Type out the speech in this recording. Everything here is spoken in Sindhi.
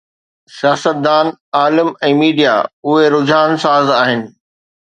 سياستدان، عالم ۽ ميڊيا، اهي رجحان ساز آهن.